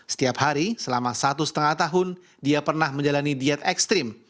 setiap hari selama satu setengah tahun dia pernah menjalani diet ekstrim